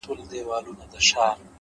خپل عادتونه په دقت جوړ کړئ,